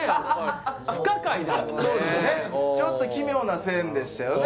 そうですねちょっと奇妙な線でしたよね